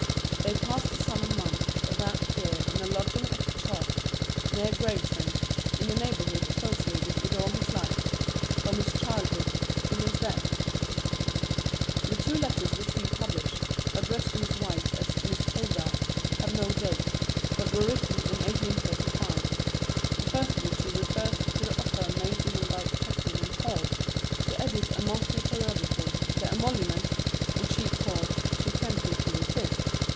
They passed the summer months of that year in a lodging at Chalk, near Gravesend, in the neighbourhood associated with all his life, from his childhood to his death. The two letters which we publish, addressed to his wife as Miss Hogarth, have no date, but were written in 1835. The first of the two refers to the offer made to him by Chapman and Hall to edit a monthly periodical, the emolument (which he calls "too tempting to resist!")